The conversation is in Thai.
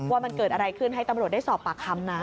ว่ามันเกิดอะไรขึ้นให้ตำรวจได้สอบปากคำนะ